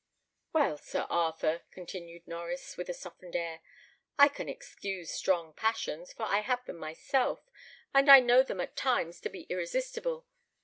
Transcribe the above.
"Well, Sir Arthur," continued Norries, with a softened air, "I can excuse strong passions, for I have them myself, and I know them at times to be irresistible.